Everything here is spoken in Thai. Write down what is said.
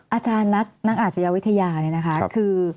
อาจารย์นักอาชญาวิทยาเนี่ยนะคะคือ